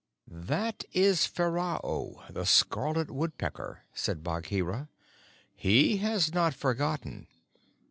"That is Ferao, the scarlet woodpecker," said Bagheera. "He has not forgotten.